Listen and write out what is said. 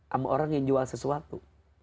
sama orang yang jual sesuatu